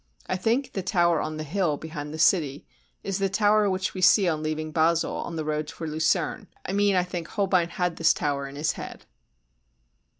I think the tower on the hill behind the city is the tower which we see on leaving Basle on the road for Lucerne, I mean I think Holbein had this tower in his head.